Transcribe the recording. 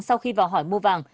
sau khi vào hỏi mua vàng